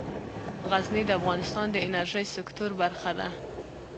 غزني د افغانستان د انرژۍ سکتور برخه ده.